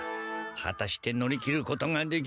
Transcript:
はたして乗り切ることができるかな？